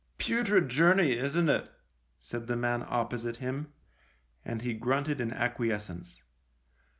" Putrid journey, isn't it ?" said the man opposite him, and he grunted in acquiescence.